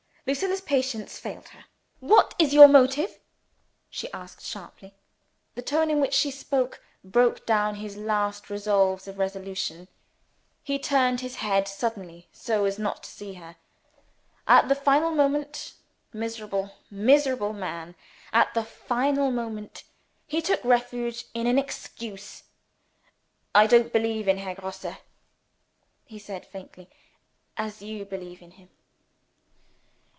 Lucilla's patience failed her. "What is your motive?" she asked sharply. The tone in which she spoke broke down his last reserves of resolution. He turned his head suddenly so as not to see her. At the final moment miserable, miserable man! at the final moment, he took refuge in an excuse. "I don't believe in Herr Grosse," he said faintly, "as you believe in him."